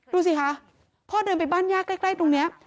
ดูสิคะพ่อเดินไปบ้านญาติใกล้ตรงนี้